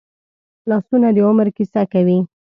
لاسونه د عمر کیسه کوي